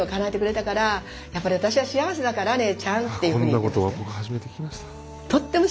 こんなこと僕初めて聞きました。